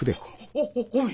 おおおい。